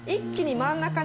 真ん中に？